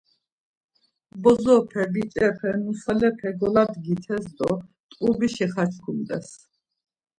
Bozope biç̌epe, nusalepe goladgites do t̆ǩubişi xaçkumt̆es.